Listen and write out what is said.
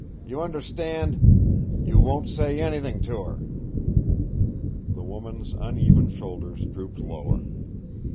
You understand? You won't say anything to her?" The woman's uneven shoulders drooped lower.